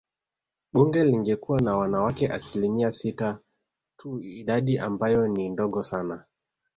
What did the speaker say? Bunge lingekuwa na wanawake asilimia sita tu idadi ambayo ni ndogo sana